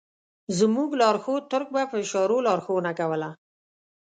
زموږ لارښود تُرک به په اشارو لارښوونه کوله.